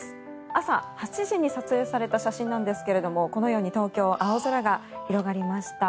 朝８時に撮影された写真なんですけどもこのように東京、青空が広がりました。